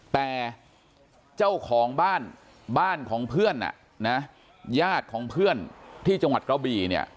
แต่เจ้าของบ้านบ้านของเพื่อนญาติของเพื่อนที่จังหวัดกระบี่เนี่ย